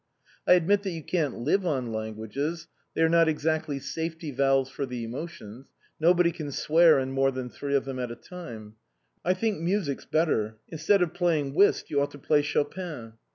"I admit that you can't live on languages, they are not exactly safety valves for the emotions; nobody can swear in more than three of them at a time. I think music's better. Instead of playing whist you ought to play Chopin."